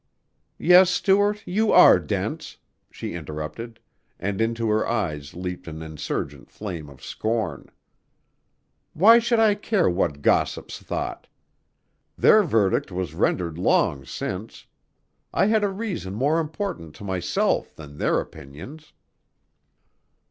"Yes, Stuart, you are dense," she interrupted, and into her eyes leaped an insurgent flame of scorn. "Why should I care what gossips thought? Their verdict was rendered long since. I had a reason more important to myself than their opinions."